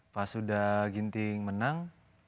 pas sudah ginting menang